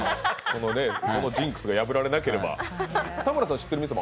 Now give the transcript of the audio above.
そのジンクスが破られなければ。